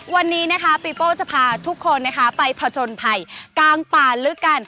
วันนี้นะคะปีโป้จะพาทุกคนนะคะไปผจญภัยกลางป่าลึกกัน